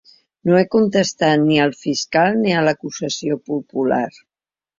No he contestat ni al fiscal ni a l’acusació popular.